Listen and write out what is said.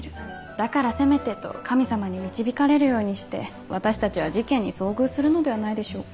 だからせめてと神様に導かれるようにして私たちは事件に遭遇するのではないでしょうか。